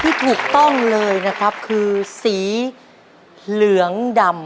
ที่ถูกต้องเลยนะครับคือสีเหลืองดำ